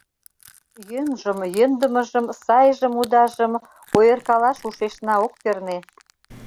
Йӧнжым, йӧндымыжым, сайжым-удажым ойыркалаш ушешна ок перне.